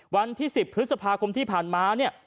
วันที่๑๐พฤษภาคมที่ผ่านมาเนี่ย